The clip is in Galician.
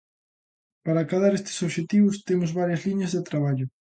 Para acadar estes obxectivos temos varias liñas de traballo.